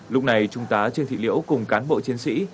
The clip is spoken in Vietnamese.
lúc này trung tá trương thị liễu cùng cán bộ chiến sĩ